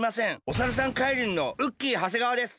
お猿さん怪人のウッキー長谷川です。